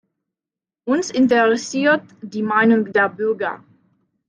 Uns interessiert die Meinung der Bürger.